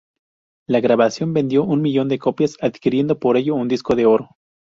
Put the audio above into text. La grabación vendió un millón de copias, adquiriendo por ello un disco de oro.